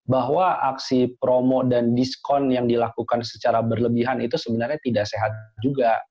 bahwa aksi promo dan diskon yang dilakukan secara berlebihan itu sebenarnya tidak sehat juga